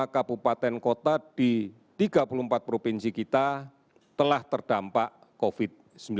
empat ratus lima puluh lima kabupaten kota di tiga puluh empat provinsi kita telah terdampak covid sembilan belas